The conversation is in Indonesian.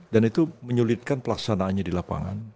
itu menyulitkan pelaksanaannya di lapangan